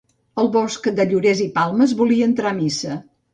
El bosc de llorers i palmes volia entrar a missa.